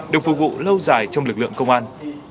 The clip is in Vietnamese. được phục vụ lâu dài trong lực lượng công an